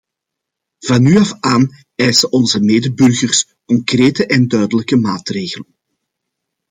Van nu af aan eisen onze medeburgers concrete en duidelijke maatregelen.